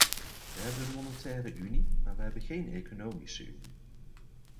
We hebben een monetaire unie, maar we hebben geen economische unie.